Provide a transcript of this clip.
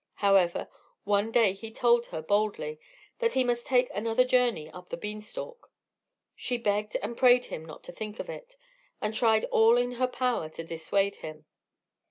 However, one day he told her boldly, that he must take another journey up the bean stalk; she begged and prayed him not to think of it, and tried all in her power to dissuade him.